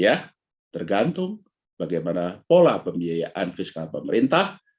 ya tergantung bagaimana pola pembiayaan fiskal pemerintah